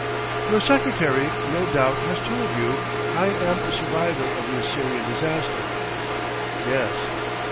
"Your secretary, no doubt, has told you I am a survivor of the Assyrian disaster." "Yes...."